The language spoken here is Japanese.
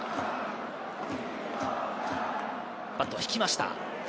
バット引きました。